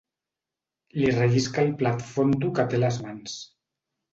Li rellisca el plat fondo que té a les mans.